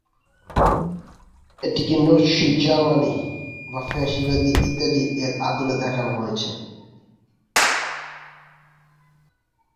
এটিকে Nazi Germany বা ফ্যাসিবাদী ইতালির এর আদলে দেখানো হয়েছে।